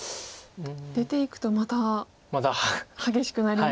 出ていくとまた激しくなりますね。